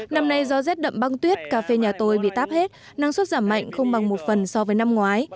năm nay do rét đậm băng tuyết cà phê nhà tôi bị táp hết năng suất giảm mạnh không bằng một phần so với năm ngoái